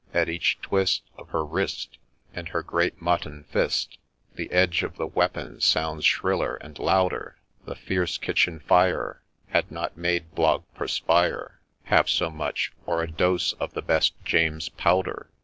— At each twist Of her wrist, And her great mutton fist, The edge of the weapon sounds shriller and louder !— The fierce kitchen fire Had not made Blogg perspire Half so much, or a dose of the best James's powder.